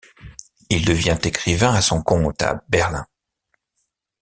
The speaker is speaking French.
Il devient écrivain à son compte à Berlin.